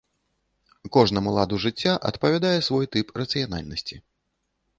Кожнаму ладу жыцця адпавядае свой тып рацыянальнасці.